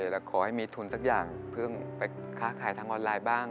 แต่ขอให้มีทุนสักอย่างเพิ่งไปค้าขายทางออนไลน์บ้าง